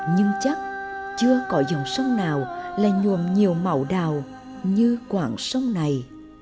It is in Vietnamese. nhưng chắc chưa có dòng sông nào là nhuồm nhiều màu đào như quảng sông này